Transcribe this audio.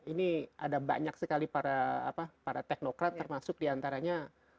ini ada banyak sekali para teknokrat termasuk diantaranya